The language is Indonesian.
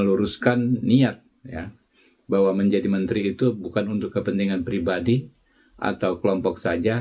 luruskan niat ya bahwa menjadi menteri itu bukan untuk kepentingan pribadi atau kelompok saja